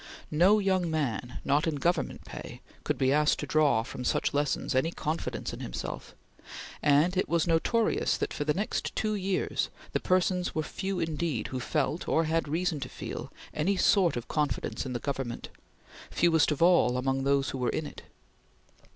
No young man, not in Government pay, could be asked to draw, from such lessons, any confidence in himself, and it was notorious that, for the next two years, the persons were few indeed who felt, or had reason to feel, any sort of confidence in the Government; fewest of all among those who were in it.